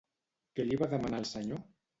Què li va demanar el senyor?